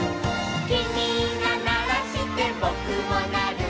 「きみがならしてぼくもなる」